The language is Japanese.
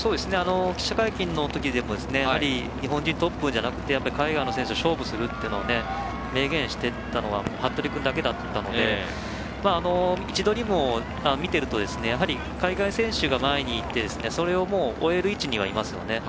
記者会見の時にも日本選手がトップじゃなくてやっぱり海外の選手と勝負をするって明言していたのは服部君だけだったので位置取りも見ていると海外選手が前にいてそれを追える位置にはいますよね。